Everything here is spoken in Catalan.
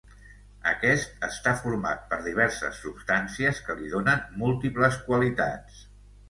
Aquest està format per diverses substàncies que li donen múltiples qualitats.